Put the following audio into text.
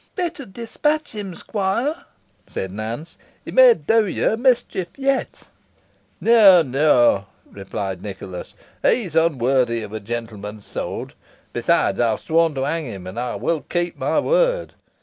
"Better dispatch him, squire," said Nance; "he may do yo a mischief yet." "No no," replied Nicholas, "he is unworthy of a gentleman's sword. Besides, I have sworn to hang him, and I will keep my word.